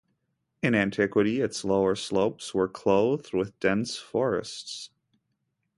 In antiquity, its lower slopes were clothed with dense forests.